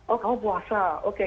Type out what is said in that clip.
oh kamu puasa oke